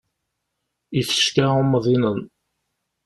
Ifecka umḍinen.